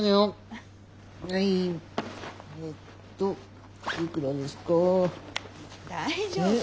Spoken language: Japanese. あ大丈夫。